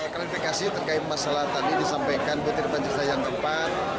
ketika terkait masalah tadi disampaikan butir pancasila yang keempat